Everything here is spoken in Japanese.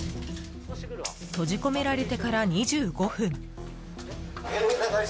閉じ込められてから２５分。